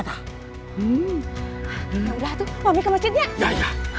ya udah mami ke masjidnya